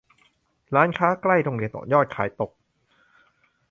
ร้านค้าใกล้โรงเรียนยอดขายตก